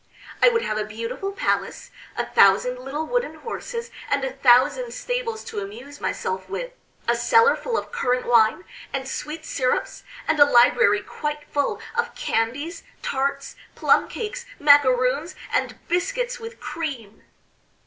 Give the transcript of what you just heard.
I would have a beautiful palace, a thousand little wooden horses and a thousand stables to amuse myself with, a cellar full of currant wine, and sweet syrups, and a library quite full of candies, tarts, plum cakes, macaroons, and biscuits with cream."